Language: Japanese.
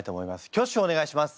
挙手をお願いします。